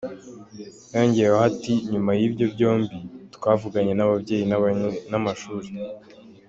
Yongeyeho ati :”Nyuma y’ibyo byombi, twavuganye n’ababyeyi n’amashuri.